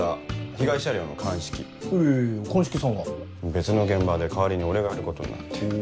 別の現場で代わりに俺がやることになって。